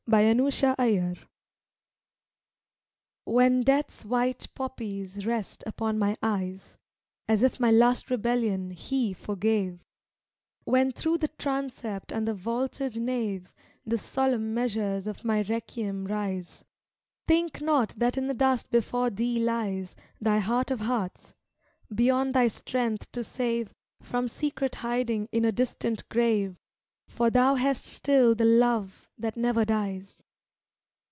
Hfterwarb HEN Death's white poppies rest upon my eyes, As if my last rebellion He forgave, When through the transept and the vaulted nave The solemn measures of my requiem rise, Think not that in the dust before thee lies Thy heart of hearts, beyond thy strength to save From secret hiding in a distant grave. For thou hast still the love that never dies.